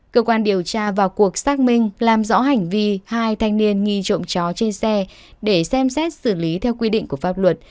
cơ quan điều tra vào cuộc xác minh làm rõ hành vi hai thanh niên nghi trộm chó trên xe để xem xét xử lý theo quy định của pháp luật